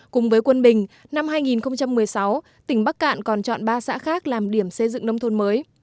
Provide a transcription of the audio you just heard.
cùng với quân bình năm hai nghìn một mươi sáu tỉnh bắc cạn còn chọn ba xã khác làm điểm xây dựng nông thôn mới